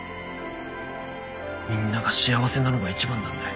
みんなが幸せなのが一番なんだよ。